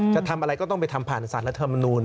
จะทำอะไรก็ต้องไปทำผ่านสารรัฐมนูล